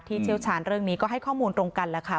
เชี่ยวชาญเรื่องนี้ก็ให้ข้อมูลตรงกันแล้วค่ะ